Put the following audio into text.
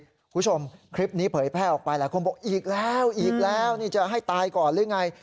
คุณผู้ชมคลิปนี้เผยแพร่ออกไปหลายคนบอกอีกแล้วอีกแล้วนี่จะให้ตายก่อนหรือไง